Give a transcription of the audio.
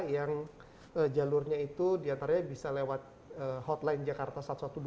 yang jalurnya itu diantaranya bisa lewat hotline jakarta satu ratus dua belas